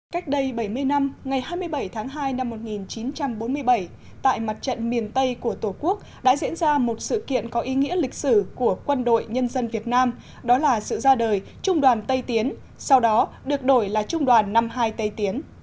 cách đây bảy mươi năm ngày hai mươi bảy tháng hai năm một nghìn chín trăm bốn mươi bảy tại mặt trận miền tây của tổ quốc đã diễn ra một sự kiện có ý nghĩa lịch sử của quân đội nhân dân việt nam đó là sự ra đời trung đoàn tây tiến sau đó được đổi là trung đoàn năm mươi hai tây tiến